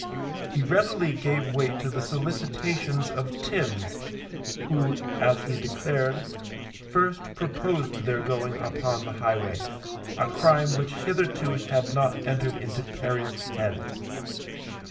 He readily gave way to the solicitations of Timms, who, as he declared, first proposed their going upon the highway, a crime which hitherto had not entered into Perry's head.